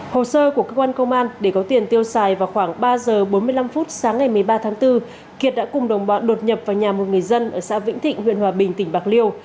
hồ sơ của cơ quan công an để có tiền tiêu xài vào khoảng ba giờ bốn mươi năm phút sáng ngày một mươi ba tháng bốn kiệt đã cùng đồng bọn đột nhập vào nhà một người dân ở xã vĩnh thịnh huyện hòa bình tỉnh bạc liêu